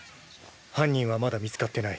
犯人はまだ見つかってない。